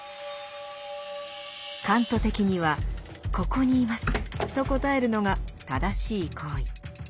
カント的には「ここにいます」と答えるのが正しい行為。